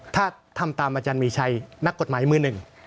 ถ้าทำตามอาจารย์มีชัยนักกฎหมายมือหนึ่ง